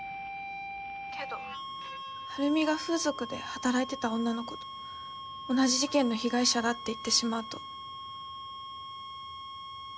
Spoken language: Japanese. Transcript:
けど晴美が風俗で働いてた女の子と同じ事件の被害者だって言ってしまうと。